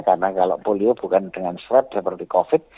karena kalau polio bukan dengan swab seperti covid